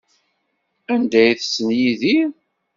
Anda ay tessen Yidir?